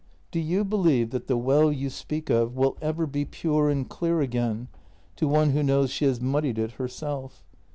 " Do you believe that the well you speak of will ever be pure and clear again to one who knows she has muddied it herself?